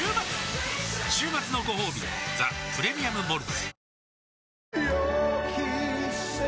週末のごほうび「ザ・プレミアム・モルツ」